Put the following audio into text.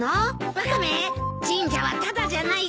ワカメ神社はタダじゃないぞ。